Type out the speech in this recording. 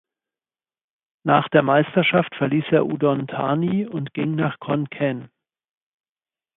Nach der Meisterschaft verließ er Udon Thani und ging nach Khon Kaen.